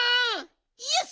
よし！